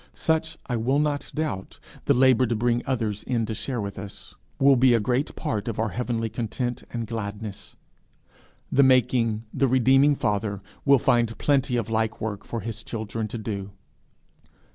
Such, I will not doubt the labour to bring others in to share with us, will be a great part of our heavenly content and gladness. The making, the redeeming Father will find plenty of like work for his children to do.